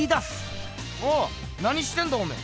おっなにしてんだおめえ。